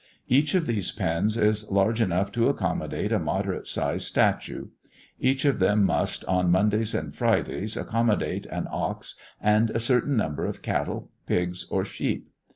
Each of these pens is large enough to accommodate a moderate sized statue; each of them must, on Mondays and Fridays, accommodate an ox and a certain number of cattle, pigs, or sheep.